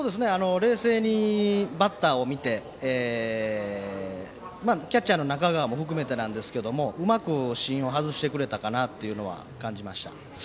冷静にバッターを見てキャッチャーの中川も含めてうまく外してくれたかなという感じました。